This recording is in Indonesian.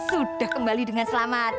sudah kembali dengan selamat